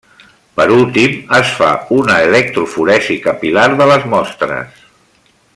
Per últim, es fa una electroforesi capil·lar de les mostres.